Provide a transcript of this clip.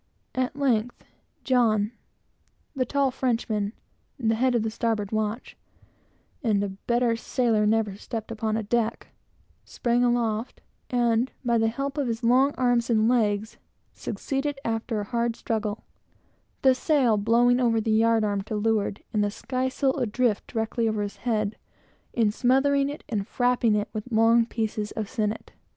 At length, John, the tall Frenchman, the head of the starboard watch, (and a better sailor never stepped upon a deck,) sprang aloft, and, by the help of his long arms and legs, succeeded, after a hard struggle, the sail blowing over the yard arm to leeward, and the skysail blowing directly over his head in smothering it, and frapping it with long pieces of sinnet.